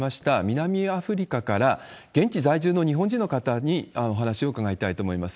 南アフリカから、現地在住の日本人の方にお話を伺いたいと思います。